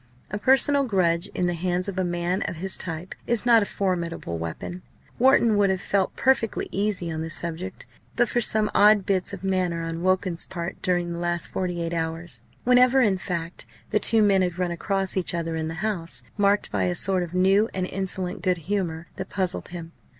A personal grudge in the hands of a man of his type is not a formidable weapon. Wharton would have felt perfectly easy on the subject but for some odd bits of manner on Wilkins's part during the last forty eight hours whenever, in fact, the two men had run across each other in the House marked by a sort of new and insolent good humour, that puzzled him.